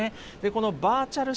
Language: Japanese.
このバーチャル